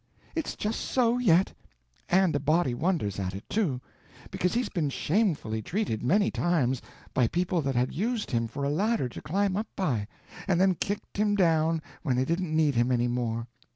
"It's just so, yet; and a body wonders at it, too, because he's been shamefully treated, many times, by people that had used him for a ladder to climb up by, and then kicked him down when they didn't need him any more.